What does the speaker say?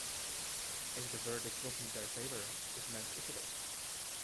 If the verdict was in their favor, it meant Italy.